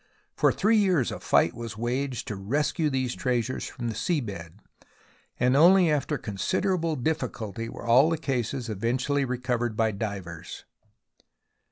For three years a fight was waged to rescue these treasures from the sea bed, and only after considerable difftculty were all the cases eventually recovered by divers.